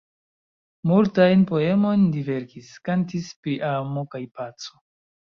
Multajn poemojn li verkis, kantis pri amo kaj paco.